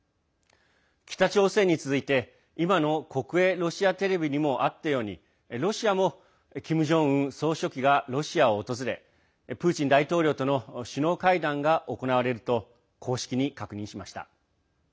北朝鮮に続いて今の国営ロシアテレビにもあったように、ロシアもキム・ジョンウン総書記がロシアを訪れプーチン大統領との首脳会談が行われると公式に確認しました。